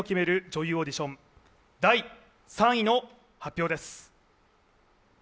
女優オーディション、第３位の発表です。